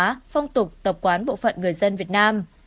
phong tục tập quán bộ phận người dân việt nam